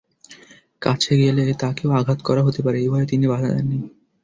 কাছে গেলে তাঁকেও আঘাত করা হতে পারে—এই ভয়ে তিনি বাধা দেননি।